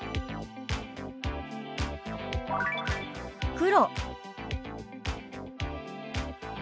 「黒」。